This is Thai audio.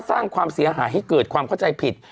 สร้างความเสียหายให้เกิดความเข้าใจผิด